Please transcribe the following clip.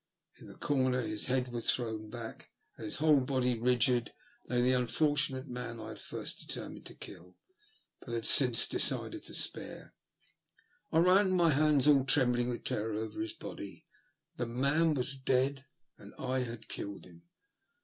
In the cor ner, his head thrown back and his whole body rigid, lay the unfortunate man I had first determined to kill, but had since decided to spare. I ran my hands, all trembling with terror, over his body. The man was dead — and I had killed him.